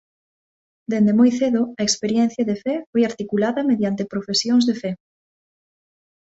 Dende moi cedo a experiencia de fe foi articulada mediante profesións de fe.